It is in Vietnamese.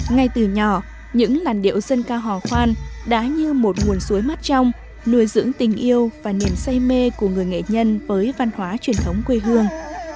ngay từ nhỏ những làn điệu dân ca hò khoan đã như một nguồn suối mắt trong nuôi dưỡng tình yêu và niềm say mê của người nghệ nhân với văn hóa truyền thống quê hương